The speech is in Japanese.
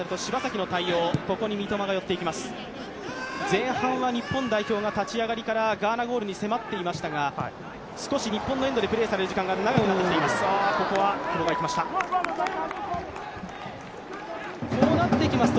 前半は日本代表が立ち上がりからガーナゴールに迫っていましたが、少し日本のエンドでプレーされる時間が長くなってきています。